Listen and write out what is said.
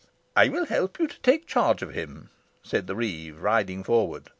"I will help you to take charge of him," said the reeve, riding forward.